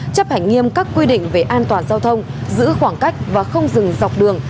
chấp hành nghiêm các quy định về an toàn giao thông giữ khoảng cách và không dừng dọc đường